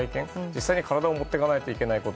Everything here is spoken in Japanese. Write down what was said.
実際に体を持っていかないといけないもの